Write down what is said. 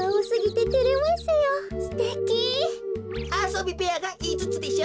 あそびべやがいつつでしょ。